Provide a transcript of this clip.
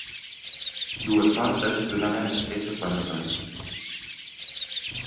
Dues portes donaven accés a quatre places.